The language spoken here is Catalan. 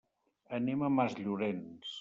Anem a Masllorenç.